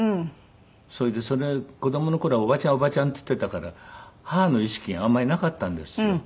それで子供の頃は「おばちゃんおばちゃん」って言っていたから母の意識があんまりなかったんですよ。